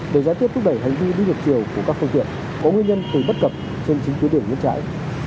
để giải thích thúc đẩy hành vi ngược chiều của các phương tiện có nguyên nhân tùy bất cập trên chính tuyến đường bên trái